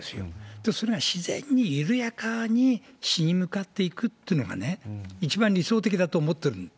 そうすれば、自然に緩やかに死に向かっていくっていうのがね、一番理想的だと思ってる。